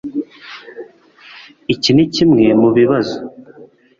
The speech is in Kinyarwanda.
Iki nikimwe mubibazo